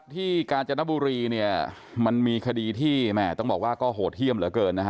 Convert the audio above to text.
ที่กาญจนบุรีมันมีคดีที่ต้องบอกว่าก็โหดเที่ยมเหลือเกิน